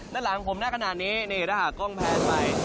ด้านหลังผมหน้าขนาดนี้นี่ถ้าหากกล้องแพนไป